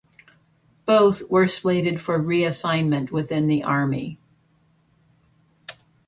Both were slated for reassignment within the Army.